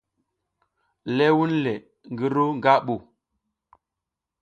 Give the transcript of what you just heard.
Le wunle ngi ru nga ɓu.